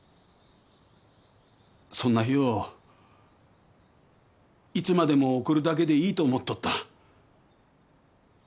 そんな日をいつまでも送るだけでいいと思っとった。